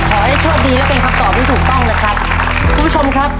ขอให้โชคดีและเป็นคำตอบที่ถูกต้องนะครับคุณผู้ชมครับ